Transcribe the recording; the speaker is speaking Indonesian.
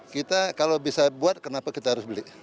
kita kalau bisa buat kenapa kita harus beli